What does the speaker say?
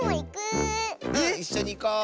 ⁉いっしょにいこう。